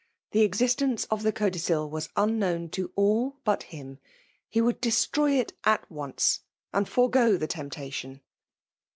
The existence of the codicil was unr Jknown to all but him. He would destroy itut once, and forego the temptation